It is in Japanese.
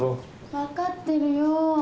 分かってるよ。